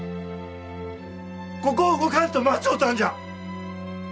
ここを動かんと待ちょったんじゃ。